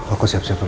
aku siap siap dulu